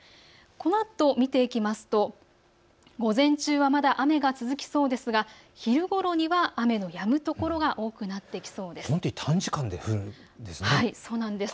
このあと見ていきますと午前中はまだ雨が続きそうですが昼ごろには雨のやむ所も多くなってきそうです。